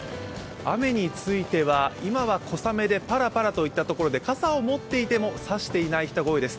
雨については小雨でパラパラといったところで、傘を持っていても差していない人が多いです。